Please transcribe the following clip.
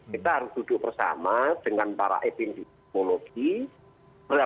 kita harus duduk bersama dengan para epidemiologi